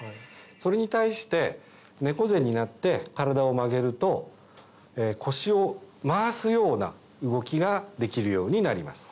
それに対して猫背になって体を曲げると腰を回すような動きができるようになります。